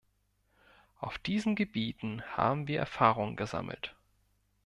Auf diesen Gebieten haben wir Erfahrungen gesammelt.